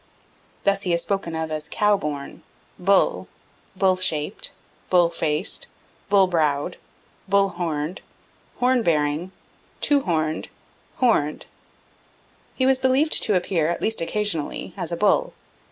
Thus he is spoken of as "cow born," "bull," "bull shaped," "bull faced," "bull browed," "bull horned," "horn bearing," "two horned," "horned." He was believed to appear, at least occasionally, as a bull.